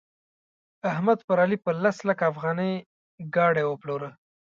احمد پر علي په لس لکه افغانۍ ګاډي وپلوره.